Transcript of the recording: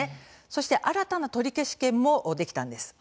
そして新たな取消権もできたんです。